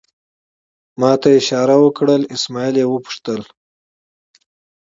ما ته یې اشاره وکړه، اسمعیل یې وپوښتل.